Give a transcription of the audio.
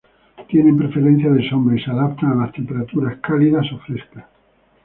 Tienen preferencia de sombra y se adaptan a las temperaturas cálidas ó frescas.